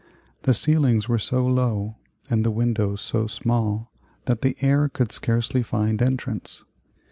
The ceilings were so low and the windows so small that the air could scarcely find entrance.